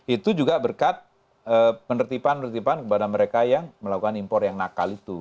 itu juga berkat penertiban penertiban kepada mereka yang melakukan impor yang nakal itu